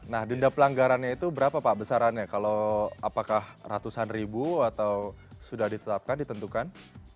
nah denda pelanggarannya itu berapa pak besarannya kalau apakah ratusan ribu atau sudah ditetapkan ditentukan